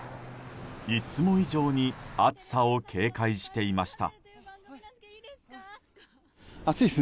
いつも以上に暑さを警戒していました。